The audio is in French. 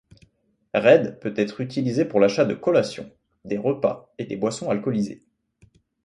Red peut être utilisé pour l'achat de collations, des repas et des boissons alcoolisées.